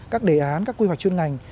các đề án các quy hoạch chuyên ngành